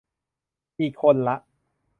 อีกคนละ